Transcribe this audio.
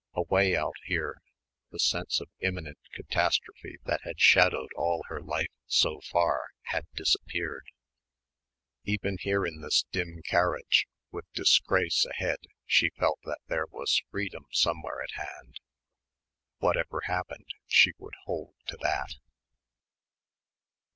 Away out here, the sense of imminent catastrophe that had shadowed all her life so far, had disappeared. Even here in this dim carriage, with disgrace ahead she felt that there was freedom somewhere at hand. Whatever happened she would hold to that.